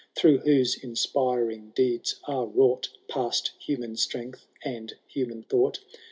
Through whose inspiring, deeds are wrought Past human strength and human thought.